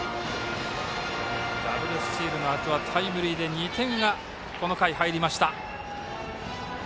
ダブルスチールのあとはタイムリーで２点がこの回、入りました。